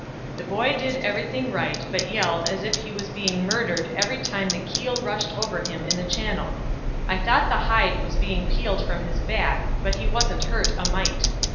The boy did everything right, but yelled as if he was being murdered every time the keel rushed over him in the channel. I thought the hide was being peeled from his back, but he wasn't hurt a mite.